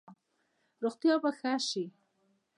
روغتیا به ښه شي؟